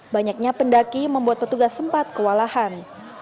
banyaknya pendaki membuat petugas sempat kewalahan